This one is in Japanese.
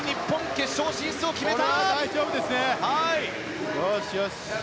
決勝進出を決めた！